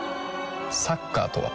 サッカーとは？